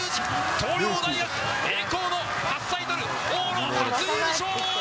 東洋大学、栄光の初タイトル、往路初優勝。